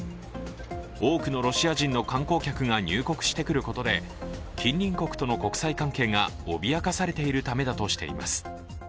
多くのロシア人の観光客が入国してくることで近隣国との国際関係が脅かされているためだとしています。